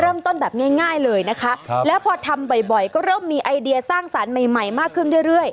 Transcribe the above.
เริ่มต้นแบบง่ายง่ายเลยนะคะครับแล้วพอทำบ่อยบ่อยก็เริ่มมีไอเดียสร้างสารใหม่ใหม่มากขึ้นเรื่อยเรื่อย